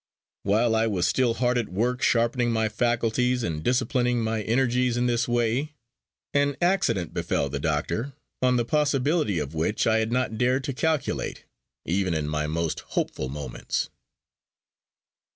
While I was still hard at work sharpening my faculties and disciplining my energies in this way, an accident befell the doctor, on the possibility of which I had not dared to calculate, even in my most hopeful moments.